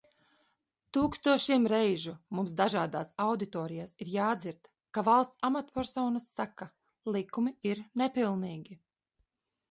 Tūkstošiem reižu mums dažādās auditorijās ir jādzird, ka valsts amatpersonas saka: likumi ir nepilnīgi!